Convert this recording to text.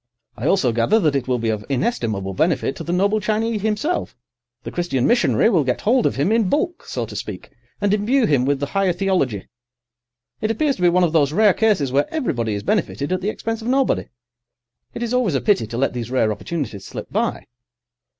I also gather that it will be of inestimable benefit to the noble Chinee himself. The Christian missionary will get hold of him in bulk, so to speak, and imbue him with the higher theology. It appears to be one of those rare cases where everybody is benefited at the expense of nobody. It is always a pity to let these rare opportunities slip by."